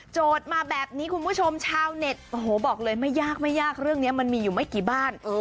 มาแบบนี้คุณผู้ชมชาวเน็ตโอ้โหบอกเลยไม่ยากไม่ยากเรื่องนี้มันมีอยู่ไม่กี่บ้าน